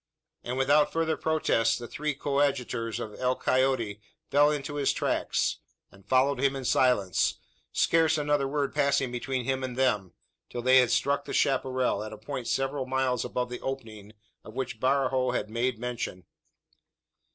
And without further protest, the three coadjutors of El Coyote fell into his tracks, and followed him in silence scarce another word passing between him and them, till they had struck the chapparal, at a point several miles above the opening of which Barajo had made mention.